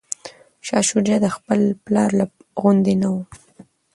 شاه شجاع د خپل پلار غوندې نه و.